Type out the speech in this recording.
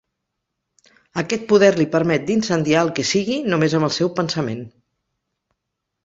Aquest poder li permet d'incendiar el que sigui només amb el seu pensament.